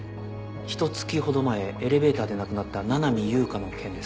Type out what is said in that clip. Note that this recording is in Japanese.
ひと月ほど前エレベーターで亡くなった七海悠香の件です。